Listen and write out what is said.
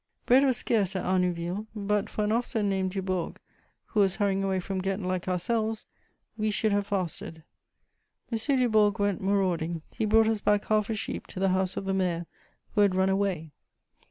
Bread was scarce at Arnouville; but for an officer named Dubourg, who was hurrying away from Ghent like ourselves, we should have fasted. M. Dubourg went marauding; he brought us back half a sheep to the house of the mayor, who had run away.